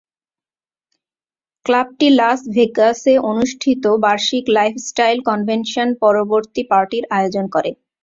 ক্লাবটি লাস ভেগাসে অনুষ্ঠিত বার্ষিক লাইফস্টাইল কনভেনশন পরবর্তী পার্টির আয়োজন করে।